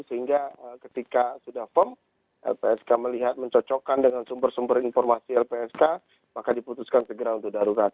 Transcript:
sehingga ketika sudah firm lpsk melihat mencocokkan dengan sumber sumber informasi lpsk maka diputuskan segera untuk darurat